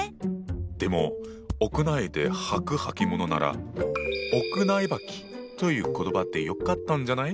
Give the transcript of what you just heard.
でも屋内で履くはきものなら「屋内履き」という言葉でよかったんじゃない。